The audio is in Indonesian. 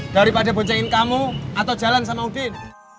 daripada boncengin kamu atau jalan sama udin